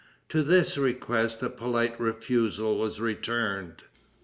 To this request a polite refusal was returned.